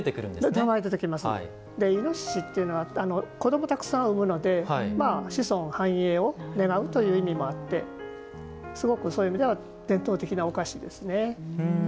いのししっていうのは子どもをたくさん産むので子孫繁栄を願うという意味もあってすごくそういう意味では伝統的なお菓子ですね。